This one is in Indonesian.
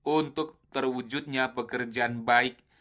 untuk terwujudnya pekerjaan baik